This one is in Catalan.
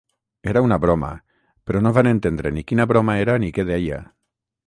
Era un broma, però no van entendre ni quina broma era ni què deia.